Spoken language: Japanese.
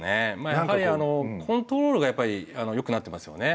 やっぱりコントロールがやっぱりよくなってますよね。